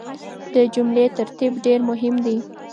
د جملې ترتيب ډېر مهم دی.